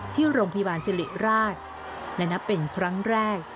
ที่โรงพยาบาลสิริราชและนับเป็นครั้งแรก